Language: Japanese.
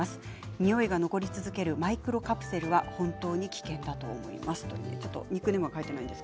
においが残り続けるマイクロカプセルは本当に危険だと思いますということです。